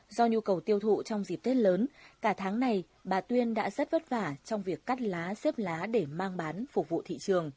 do nhu cầu tiêu thụ trong dịp tết lớn cả tháng này bà tuyên đã rất vất vả trong việc cắt lá xếp lá để mang bánh